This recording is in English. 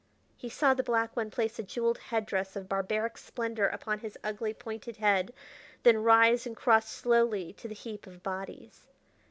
He saw the black one place a jeweled head dress of barbaric splendor upon his ugly, pointed head, then rise and cross slowly to the heap of bodies.